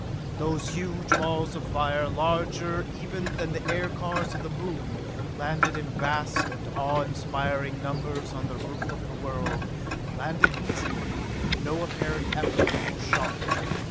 Those huge balls of fire, larger even than the aircars of the Moon, landed in vast and awe inspiring numbers on the roof of the world landed easily, with no apparent effort or shock.